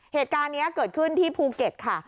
เหตุการณ์นี้เกิดขึ้นที่ภูเก็ตค่ะ